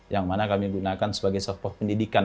yang mana kami gunakan sebagai sosok pendidikan